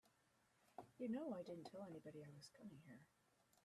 You know I didn't tell anybody I was coming here.